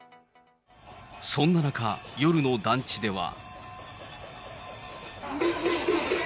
そんな中、夜の団地では。